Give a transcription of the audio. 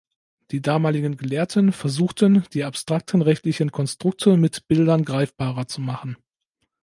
Die damaligen Gelehrten versuchten, die abstrakten rechtlichen Konstrukte mit Bildern greifbarer zu machen.